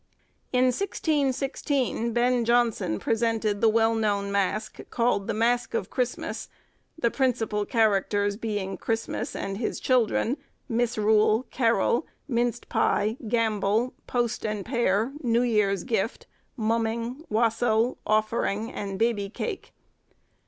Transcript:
In 1616, Ben Jonson presented the well known mask, called the 'Mask of Christmas,' the principal characters being Christmas and his children, Misrule, Carol, Minced Pie, Gambol, Post and Pair, New Year's Gift, Mumming, Wassel, Offering, and Baby Cake.